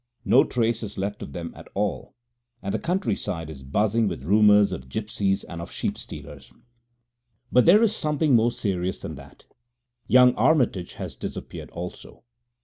No trace is left of them at all, and the countryside is buzzing with rumours of gipsies and of sheep stealers. But there is something more serious than that. Young Armitage has disappeared also.